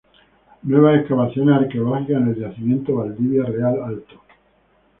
Nuevas excavaciones arqueológicas en el yacimiento Valdivia Real Alto.